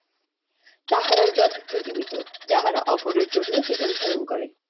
তাহারাই যথার্থ জীবিত, যাহারা অপরের জন্য জীবনধারণ করে।